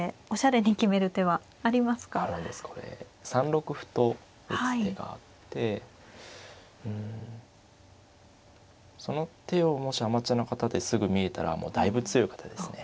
３六歩と打つ手があってうんその手をもしアマチュアの方ですぐ見えたらもうだいぶ強い方ですね。